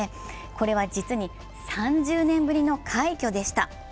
これは実に３０年ぶりの快挙でした。